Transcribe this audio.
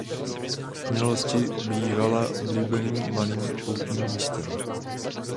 V minulosti bývala oblíbeným malým poutním místem.